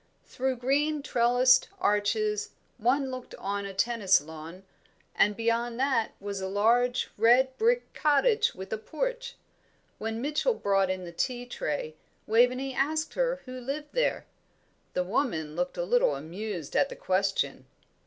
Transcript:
Through green trellised arches one looked on a tennis lawn, and beyond that was a large red brick cottage with a porch. When Mitchell brought in the tea tray, Waveney asked her who lived there. The woman looked a little amused at the question.